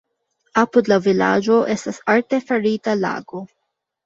Apud la vilaĝo estas artefarita lago.